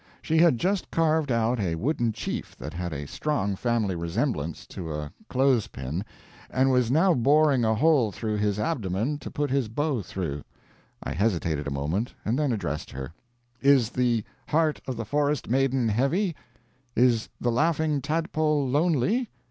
She had just carved out a wooden chief that had a strong family resemblance to a clothes pin, and was now boring a hole through his abdomen to put his bow through. I hesitated a moment, and then addressed her: "Is the heart of the forest maiden heavy? Is the Laughing Tadpole lonely?